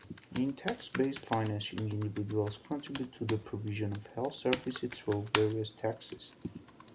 In tax-based financing, individuals contribute to the provision of health services through various taxes.